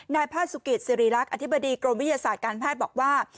นายแพทย์สุกิตสิริรักษ์อธิบดีกรมวิทยาศาสตร์การแพทย์บอกว่า